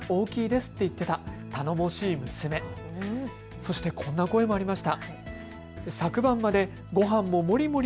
そしてこんな声もありました。